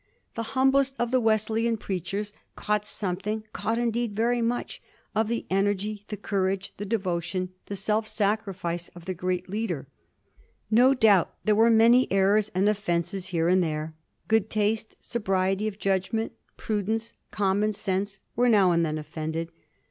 The humblest of the Wesleyan preachers caught some thing, caught indeed very much, of the energy, the courage, the devotion, the self sacrifice, of their great leader. No doubt there were many errors and offences here and there. Oood taste, sobriety of judgment, prudence, common sense, were now and then offended.